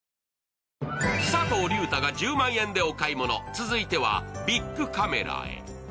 続いてはビックカメラへ。